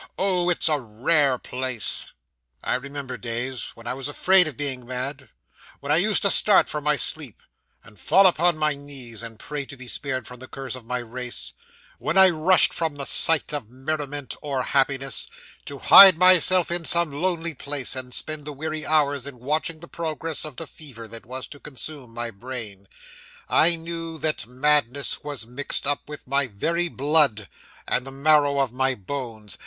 Oh, it's a rare place! 'I remember days when I was afraid of being mad; when I used to start from my sleep, and fall upon my knees, and pray to be spared from the curse of my race; when I rushed from the sight of merriment or happiness, to hide myself in some lonely place, and spend the weary hours in watching the progress of the fever that was to consume my brain. I knew that madness was mixed up with my very blood, and the marrow of my bones!